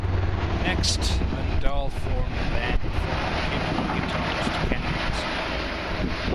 Next, Van Dahl formed a band with former Kid Rock guitarist Kenny Olson.